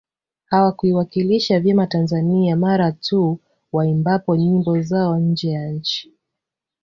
Hawa huiwakilisha vyema Tanzania mara tu waimbapo nyimbo zao nje ya nchi